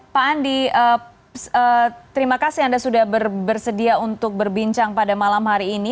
pak andi terima kasih anda sudah bersedia untuk berbincang pada malam hari ini